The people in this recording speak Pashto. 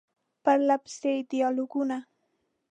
پرله پسې ډیالوګونه ،